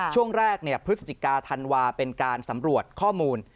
ช่วงแรกพฤศจิกาธันวาเป็นการสำรวจข้อมูล